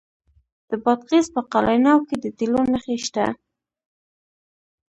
د بادغیس په قلعه نو کې د تیلو نښې شته.